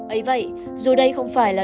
ây vậy dù đây không phải là